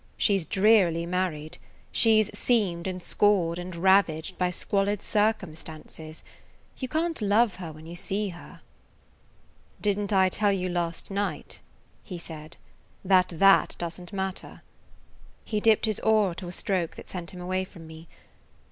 She 's drearily married. She 's seamed and scored and ravaged by squalid circumstances. You can't love her when you see her." "Did n't I tell you last night," he said, "that that doesn't matter?" He dipped his oar to a stroke that sent him away from me.